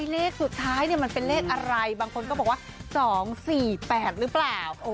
เลขสุดท้ายมันเป็นเลขอะไรบางคนก็บอกว่า๒๔๘หรือเปล่า